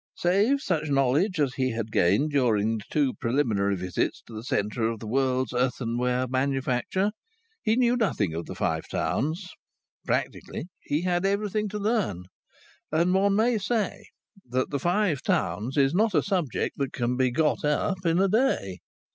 Save such knowledge as he had gained during two preliminary visits to the centre of the world's earthenware manufacture, he knew nothing of the Five Towns; practically, he had everything to learn. And one may say that the Five Towns is not a subject that can be "got up" in a day.